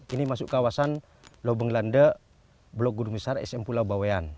ini masuk kawasan lobeng lande blok guru besar sm pulau bawean